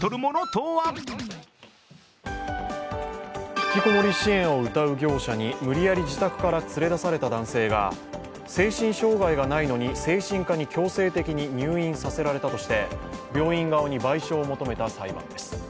引きこもり支援をうたう業者に無理やり自宅から連れ出された男性が精神障害がないのに精神科に強制的に入院させられたとして病院側に賠償を求めた裁判です。